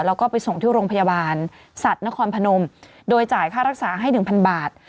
แล้วก็ไปส่งที่โรงพยาบาลสัตว์นครพนมโดยจ่ายค่ารักษาให้หนึ่งพันบาท